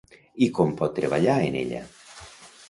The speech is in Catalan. I com pot treballar en ella?